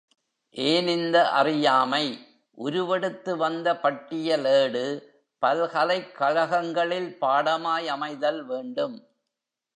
ஏன் இந்த அறியாமை உருவெடுத்துவந்த பட்டியல் ஏடு, பல்கலைக் கழகங்களில் பாடமாய் அமைதல் வேண்டும்?